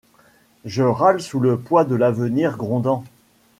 Je râle sous le poids de l'avenir grondant